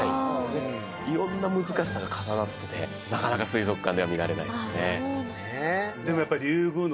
はぁいろんな難しさが重なっててなかなか水族館では見られないですね